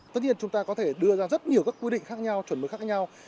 tất nhiên chúng ta có thể đưa ra rất nhiều các quy định khác nhau chuẩn mực khác nhau